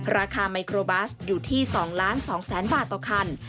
ราคามิโครบัสอยู่ที่๒ล้าน๒แสนบาทต่อคัน